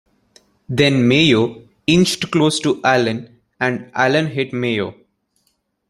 Then Mayo "inched close to Allen" and "Allen hit Mayo.